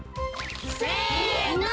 せの！